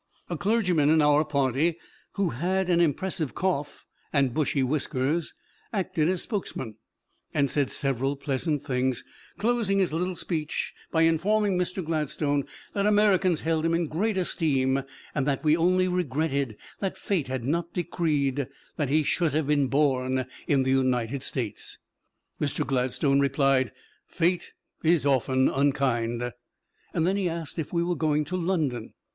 A clergyman in our party who had an impressive cough and bushy whiskers, acted as spokesman, and said several pleasant things, closing his little speech by informing Mr. Gladstone that Americans held him in great esteem, and that we only regretted that Fate had not decreed that he should have been born in the United States. Mr. Gladstone replied, "Fate is often unkind." Then he asked if we were going to London.